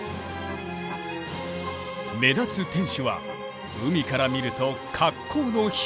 目立つ天守は海から見ると格好の標的。